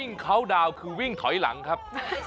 วิ่งเข้าดาวคือวิ่งถอยหลังครับ